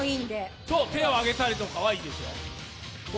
手を上げたりとかはいいですよ。